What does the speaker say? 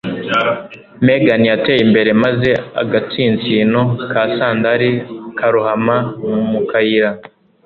Megan yateye imbere maze agatsinsino ka sandali karohama mu kayira.